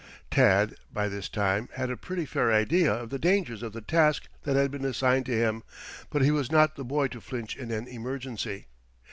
Tad, by this time, had a pretty fair idea of the danger of the task that had been assigned to him. But he was not the boy to flinch in an emergency.